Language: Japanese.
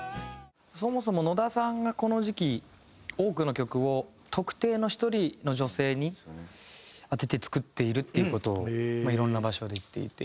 そもそも野田さんがこの時期多くの曲を特定の１人の女性に当てて作っているっていう事をいろんな場所で言っていて。